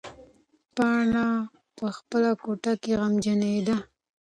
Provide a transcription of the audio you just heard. پاڼه په خپله کوټه کې غمجنېده.